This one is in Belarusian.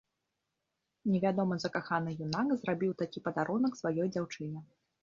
Невядомы закаханы юнак зрабіў такі падарунак сваёй дзяўчыне.